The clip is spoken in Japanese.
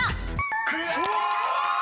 ［クリア！］